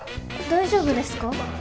大丈夫ですか？